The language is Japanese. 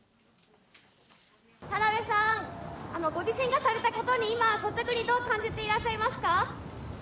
田辺さん、ご自身がされたことに今、率直にどう感じていらっしゃいますか？